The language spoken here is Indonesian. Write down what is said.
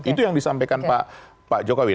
itu yang disampaikan pak jokowi